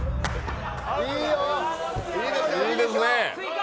いいですね。